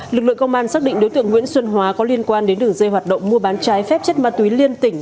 lực lượng công an xác định đối tượng nguyễn xuân hóa có liên quan đến đường dây hoạt động mua bán trái phép chất ma túy liên tỉnh